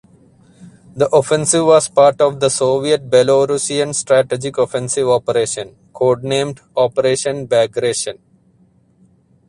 The offensive was part of the Soviet Belorussian Strategic Offensive Operation (codenamed Operation Bagration).